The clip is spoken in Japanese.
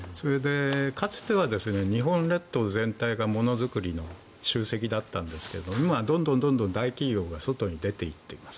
かつては日本列島全体がものづくりの集積だったんですが今はどんどん大企業が外に出ていっています。